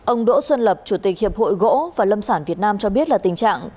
ông đỗ xuân lập chủ tịch hiệp hội gỗ và lâm sản việt nam cho biết là tình trạng